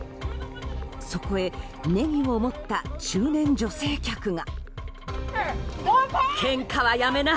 そこへネギを持った中年女性客が。